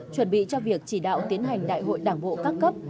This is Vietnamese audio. chuẩn bị cho việc chỉ đạo tiến hành đại hội đảng bộ các cấp